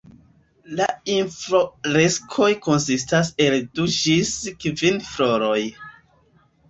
La infloreskoj konsistas el du ĝis kvin floroj.